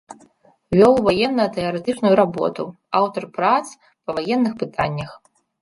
Вёў ваенна-тэарэтычную работу, аўтар прац па ваенных пытаннях.